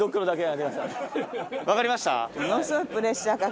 わかりました？